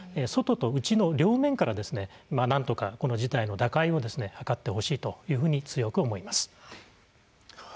外と内の両面から、なんとかこの事態の打開を図ってほしいというふうに強く思います。